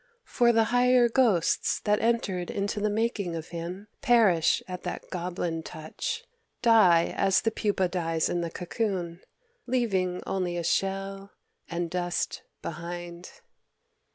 For the higher ghosts that entered into the making of him perish at that goblin touch, die as the pupa dies in the cocoon, leaving only a shell and dust behind...."